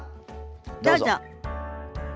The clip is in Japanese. どうぞ。